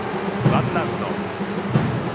ワンアウト。